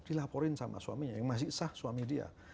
dilaporin sama suaminya yang masih sah suami dia